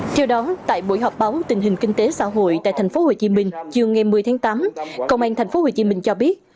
theo đó tại buổi họp báo tình hình kinh tế xã hội tại tp hcm chiều ngày một mươi tháng tám công an tp hcm cho biết